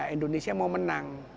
indonesia mau menang